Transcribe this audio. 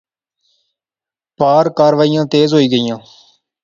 پار کاروائیاں تیز ہوئی گیئاں